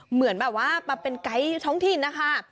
เหมือนแบบว่ามาเป็นไกด์ท้องถิ่นนะคะ